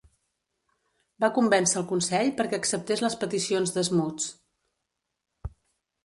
Va convèncer el consell perquè acceptés les peticions de Smuts.